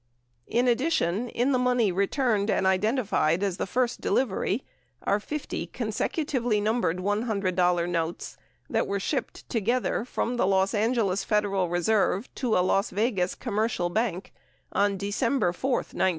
In addition, in the money returned and identified as the first delivery are 50 consecutively numbered $100 notes that were shipped together from the Los Angeles Federal Reserve to a Las Vegas commercial bank on December 4, 1968.